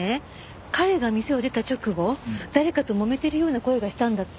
彼が店を出た直後誰かともめてるような声がしたんだって。